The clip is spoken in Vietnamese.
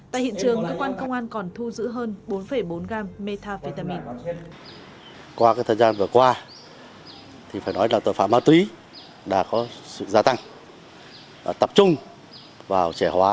tại hiện trường công an còn thu giữ hơn bốn bốn gram methamphetamine